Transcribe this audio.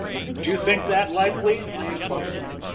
"Do you think that likely?" I inquired.